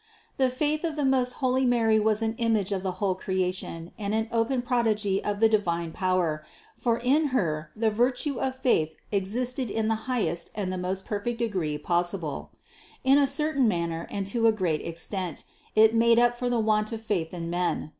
489. The faith of the most holy Mary was an image of .the whole creation and an open prodigy of the divine power, for in Her the virtue of faith existed in the high est and the most perfect degree possible; in a certain manner and to a great extent, it made up for the want of faith in men.